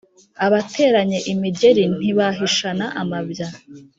Abateranye imigeri ntibahishana amabya.